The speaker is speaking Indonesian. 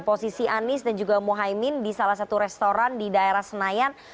posisi anies dan juga muhaymin di salah satu restoran di daerah senayan